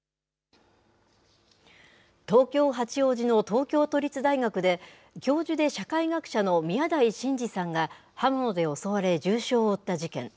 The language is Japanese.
東京・八王子の東京都立大学で、教授で社会学者の宮台真司さんが、刃物で襲われ重傷を負った事件。